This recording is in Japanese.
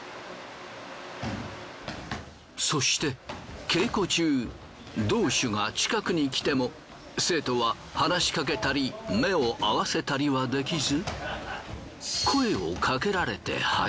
そして稽古中道主が近くに来ても生徒は話しかけたり目を合わせたりはできず。